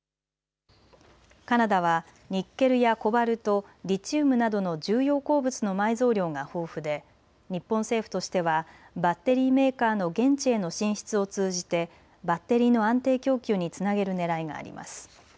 カナダはニッケルやコバルト、リチウムなどの重要鉱物の埋蔵量が豊富で日本政府としてはバッテリーメーカーの現地への進出を通じてバッテリーの安定供給につなげるねらいがあります。